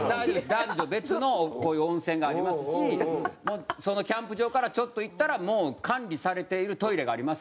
男女別のこういう温泉がありますしそのキャンプ場からちょっと行ったらもう管理されているトイレがありますんで安心です。